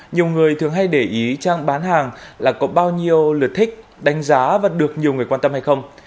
nhiều người thường hay để ý trang bán hàng là có bao nhiêu lượt thích đánh giá và được nhiều người quan tâm hay không